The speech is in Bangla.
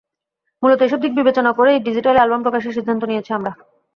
মূলত এসব দিক বিবেচনা করেই ডিজিটালি অ্যালবাম প্রকাশের সিদ্ধান্ত নিয়েছি আমরা।